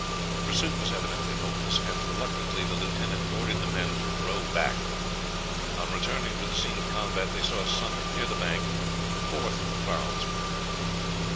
Pursuit was evidently hopeless, and reluctantly the lieutenant ordered the men to row back. On returning to the scene of combat, they saw sunk near the bank the fourth of the prahus.